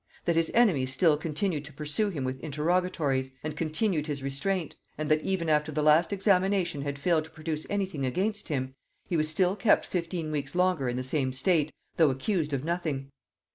That his enemies still continued to pursue him with interrogatories, and continued his restraint; and that even after the last examination had failed to produce any thing against him, he was still kept fifteen weeks longer in the same state, though accused of nothing.